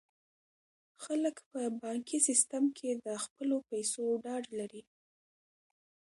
خلک په بانکي سیستم کې د خپلو پیسو ډاډ لري.